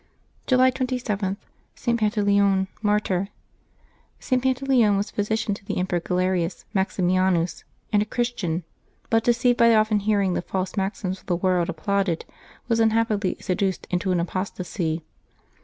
July 27.— ST. PANTALEON, Martyr. [t. Pantaleon was physician to the Emperor Galerius ]Maximianus, and a Christian, but, deceived by often hearing the false maxims of the world applauded, was unhappily seduced into an apostasy.